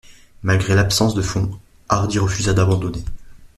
Malgré l'absence de fonds, Hardy refusa d'abandonner.